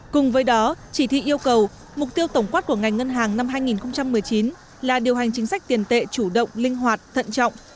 cùng với đó chỉ thị yêu cầu mục tiêu tổng quát của ngành ngân hàng năm hai nghìn một mươi chín là điều hành chính sách tiền tệ chủ động linh hoạt thận trọng